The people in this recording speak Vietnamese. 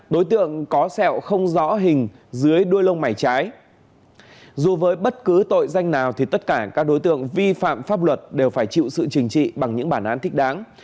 dù với bất cứ tội danh nào thì tất cả các đối tượng vi phạm pháp luật đều phải chịu sự trình trị bằng những bản án thích đáng